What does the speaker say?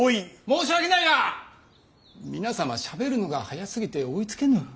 申し訳ないが皆様しゃべるのが速すぎて追いつけぬ。